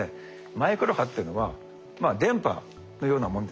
マイクロ波っていうのは電波のようなもんですね。